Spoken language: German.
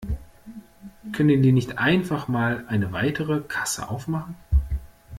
Können die nicht einfach mal eine weitere Kasse aufmachen?